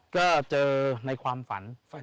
ก็เจอในความฝัน